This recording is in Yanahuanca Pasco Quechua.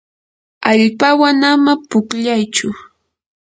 allpawan ama pukllaychu.